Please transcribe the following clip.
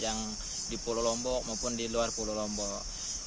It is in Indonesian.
yang di pulau lombok maupun di luar pulau lombok